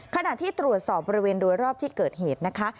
ขณะที่ตรวจสอบบริเวณโดยรอบที่เกิดเหตุนะคะ